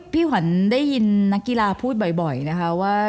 พี่ขวัญได้ยินนักกีฬาพูดบ่อยนะคะว่า